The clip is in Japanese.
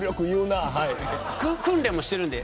訓練もしてるんで。